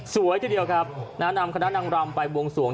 ทีเดียวครับนำคณะนางรำไปบวงสวง